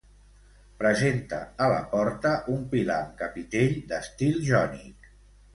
Presenta a la porta un pilar amb capitell d'estil jònic.